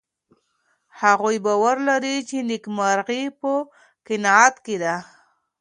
هغوی باور لري چې نېکمرغي په قناعت کې ده.